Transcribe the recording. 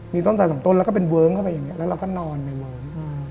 มีต้นสายสองต้นแล้วก็เป็นเวิ้งเข้าไปอย่างนี้แล้วเราก็นอนในเวิร์ค